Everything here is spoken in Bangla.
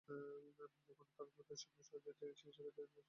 এখানে তাঁরা দ্রুততার সঙ্গে সহজে চিকিত্সা পেতে বিশেষ সহায়তা পেয়ে থাকেন।